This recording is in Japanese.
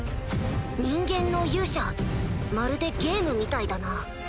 人間の勇者まるでゲームみたいだな。